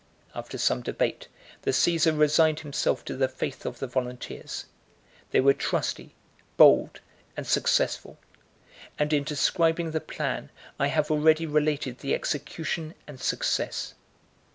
After some debate, the Cæsar resigned himself to the faith of the volunteers; they were trusty, bold, and successful; and in describing the plan, I have already related the execution and success.